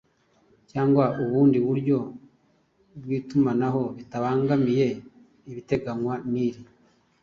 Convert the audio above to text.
cyangwa ubundi buryo bw’itumanaho bitabangamiye ibiteganywa n’iri